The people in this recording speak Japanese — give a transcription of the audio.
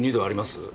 ３２℃あります？